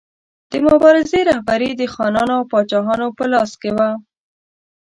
د مبارزې رهبري د خانانو او پاچاهانو په لاس کې وه.